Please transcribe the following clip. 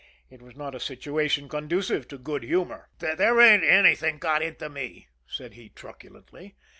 It was not a situation conducive to good humor. "There ain't anything got into me," said he truculently.